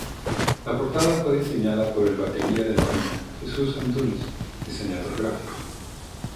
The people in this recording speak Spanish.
La portada fue diseñada por el batería de la banda, Jesús Antúnez, diseñador gráfico.